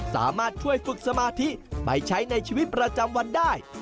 สามารถช่วยฝึกสมาธิไปใช้ในชีวิตประจำวันได้